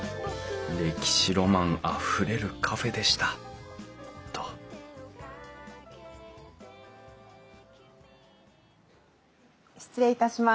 歴史ロマンあふれるカフェでしたと失礼いたします。